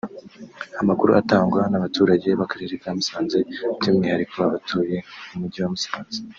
Amakuru atangwa n’abaturage b’akarere ka Musanze by’umwihariko abatuye mu mujyi wa Musanze